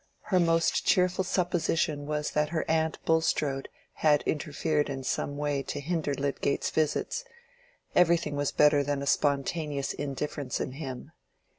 Her most cheerful supposition was that her aunt Bulstrode had interfered in some way to hinder Lydgate's visits: everything was better than a spontaneous indifference in him.